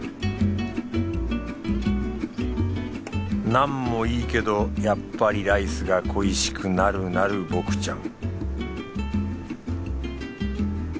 ナンもいいけどやっぱりライスが恋しくなるなる僕ちゃん